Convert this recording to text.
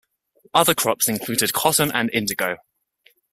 Other crops included cotton and indigo.